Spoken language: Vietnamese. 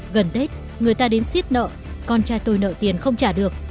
gần tết người ta đến xiết nợ con trai tôi nợ tiền không trả được